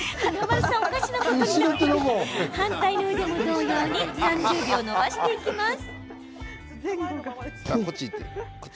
反対の腕も同様に３０秒伸ばしていきます。